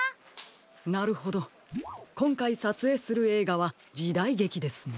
なるほどこんかいさつえいするえいがはじだいげきですね？